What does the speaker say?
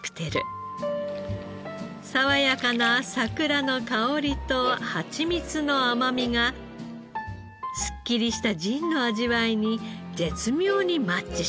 爽やかな桜の香りとハチミツの甘みがすっきりしたジンの味わいに絶妙にマッチします。